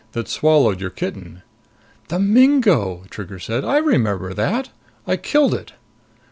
that swallowed your kitten." "The mingo!" Trigger said. "I remember that. I killed it."